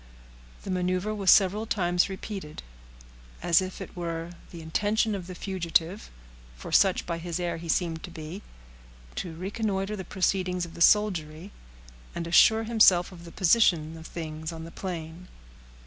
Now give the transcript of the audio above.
The maneuver was several times repeated, as if it were the intention of the fugitive (for such by his air he seemed to be) to reconnoiter the proceedings of the soldiery, and assure himself of the position of things on the plain.